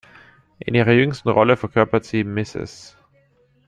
In ihrer jüngsten Rolle verkörpert sie "Mrs.